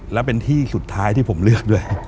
และเป็นที่สุดท้ายที่ผมเลือกด้วย